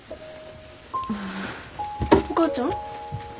お母ちゃん？